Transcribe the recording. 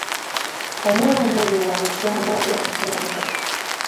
Omwana oyo wa lugambo nga Enseenene.